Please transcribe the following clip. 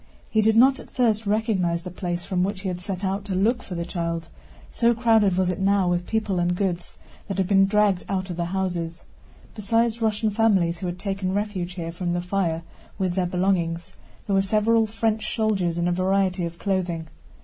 He did not at first recognize the place from which he had set out to look for the child, so crowded was it now with people and goods that had been dragged out of the houses. Besides Russian families who had taken refuge here from the fire with their belongings, there were several French soldiers in a variety of clothing.